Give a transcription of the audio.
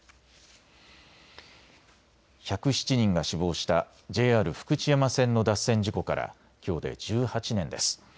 １０７人が死亡したＪＲ福知山線の脱線事故からきょうで１８年です。